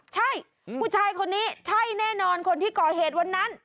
ใช่ผู้ชายคนนี้ใช่แน่นอนคนที่ก่อเหตุวันนั้น